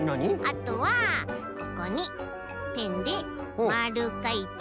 あとはここにペンでまるかいてちょん。